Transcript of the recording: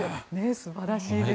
素晴らしいです。